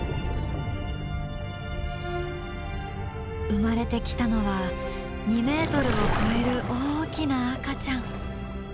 生まれてきたのは２ｍを超える大きな赤ちゃん。